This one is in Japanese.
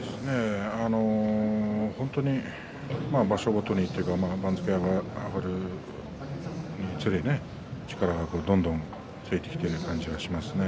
本当に場所ごとにというか番付を上げるにつれて力がどんどんついてきている感じがしますね。